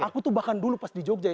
aku tuh bahkan dulu pas di jogja ya